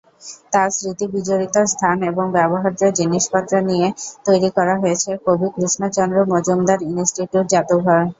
তার স্মৃতি বিজড়িত স্থান এবং ব্যবহার্য জিনিস পত্র নিয়ে তৈরি করা হয়েছে কবি কৃষ্ণচন্দ্র মজুমদার ইনস্টিটিউট জাদুঘর।